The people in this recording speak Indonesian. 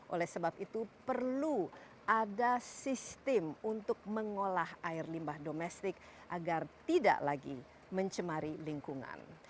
oleh sebab itu perlu ada sistem untuk mengolah air limbah domestik agar tidak lagi mencemari lingkungan